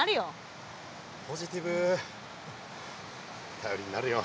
頼りになるよ。